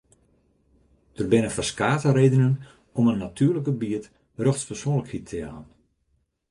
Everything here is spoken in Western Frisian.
Der binne ferskate redenen om in natuerlik gebiet rjochtspersoanlikheid te jaan.